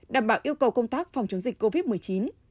đảm bảo yêu cầu công tác phòng chống dịch covid một mươi chín